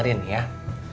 kalau menurut saya deh